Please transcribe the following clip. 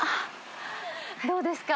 どうですか？